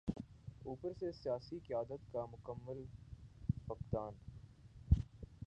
اوپر سے سیاسی قیادت کا مکمل فقدان۔